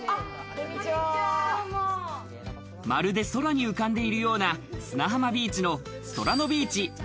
まるで空に浮かんでいるような砂浜ビーチのソラノビーチ